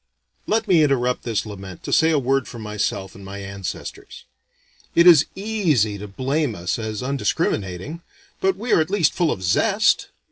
Let me interrupt this lament to say a word for myself and my ancestors. It is easy to blame us as undiscriminating, but we are at least full of zest.